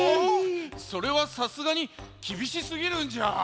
それはさすがにきびしすぎるんじゃ。